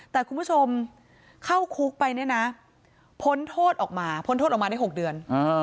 แต่คุณผู้ชมเข้าคุกไปเนี่ยนะพ้นโทษออกมาพ้นโทษออกมาได้๖เดือน